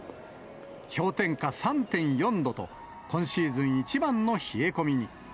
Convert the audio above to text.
氷点下３．４度と、今シーズン一番の冷え込みに。